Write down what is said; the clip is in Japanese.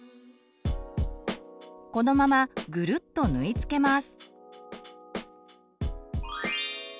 このままぐるっと縫い付けます。